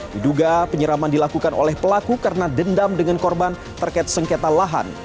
diduga penyiraman dilakukan oleh pelaku karena dendam dengan korban terkait sengketa lahan